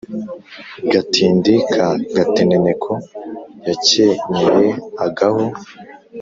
Gatindi ka Gateneneko yakenyeye agahu